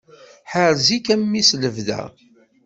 Ḥerz-ik a mmi s lebda.